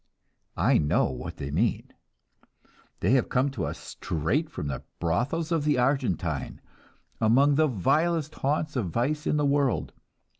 I know what they mean. They have come to us straight from the brothels of the Argentine, among the vilest haunts of vice in the world.